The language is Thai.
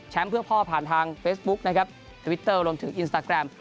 เพื่อพ่อผ่านทางเฟซบุ๊คนะครับทวิตเตอร์รวมถึงอินสตาแกรม